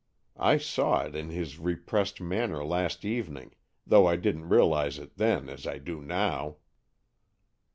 I saw it in his repressed manner last evening, though I didn't realize it then as I do now."